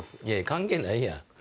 関係ないやん。